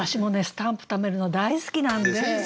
スタンプ貯めるの大好きなんで。